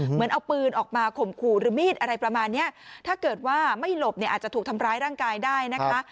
เหมือนเอาปืนออกมาข่มขู่หรือมีดอะไรประมาณเนี้ยถ้าเกิดว่าไม่หลบเนี่ยอาจจะถูกทำร้ายร่างกายได้นะคะ